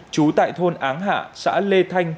trú tại thôn áng hạ xã lê thanh